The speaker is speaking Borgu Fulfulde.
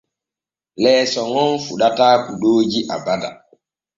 Leeso ŋon fuɗataa kuɗooji abada.